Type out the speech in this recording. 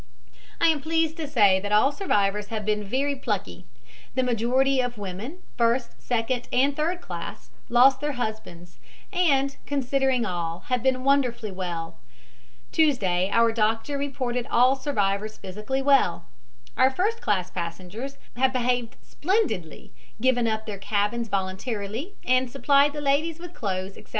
"I am pleased to say that all survivors have been very plucky. The majority of women, first, second and third class, lost their husbands, and, considering all, have been wonderfully well. Tuesday our doctor reported all survivors physically well. Our first class passengers have behaved splendidly, given up their cabins voluntarily and supplied the ladies with clothes, etc.